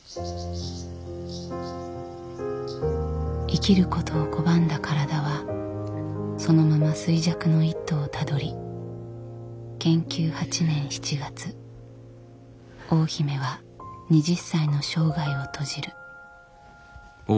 生きることを拒んだ体はそのまま衰弱の一途をたどり建久８年７月大姫は２０歳の生涯を閉じる。